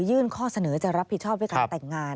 ยื่นข้อเสนอจะรับผิดชอบให้การแต่งงาน